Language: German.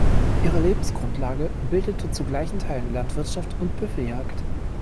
Ihre Lebensgrundlage bildete zu gleichen Teilen Landwirtschaft und Büffeljagd.